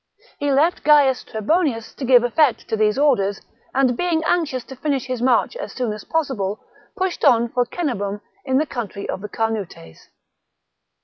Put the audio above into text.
He left Gaius Trebonius to give effect to these orders, and, being anxious to finish his march as soon as possible, pushed on for Cenabum in the country of the Carnutes.